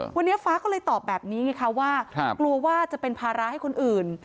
วันนี้ฟ้าก็เลยตอบแบบนี้ไงคะว่ากลัวว่าจะเป็นภาระให้คนอื่น